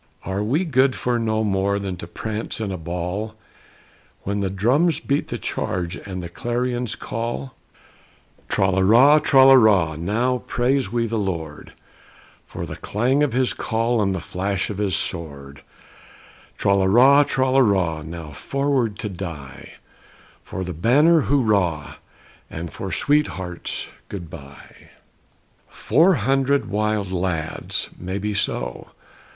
Are we good for no more than to prance in a ball, When the drums beat the charge and the clarions call?" Tralára! Tralára! Now praise we the Lord, For the clang of His call and the flash of His sword! Tralára! Tralára! Now forward to die; For the banner, hurrah! and for sweethearts, good by! "Four hundred wild lads!" Maybe so.